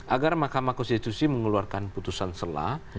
agar makamah konstitusi mengeluarkan putusan sela